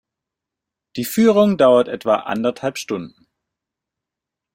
Die Führung dauert etwa anderthalb Stunden.